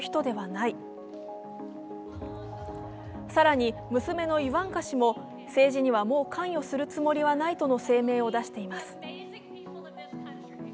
更に娘のイヴァンカ氏も政治にはもう関与するつもりはないとの声明を出しています。